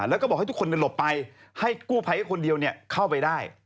แล้วก็บอกให้ทุกคนเนี่ยหลบไปให้กู้ไภกับคนเดียวเนี่ยเข้าไปได้